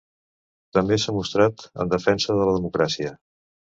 També s’ha mostrat ‘en defensa de la democràcia’.